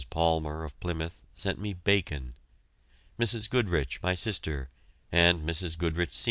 Palmer, of Plymouth, sent me bacon; Mrs. Goodrich, my sister, and Mrs. Goodrich, Sr.